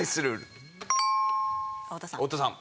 太田さん。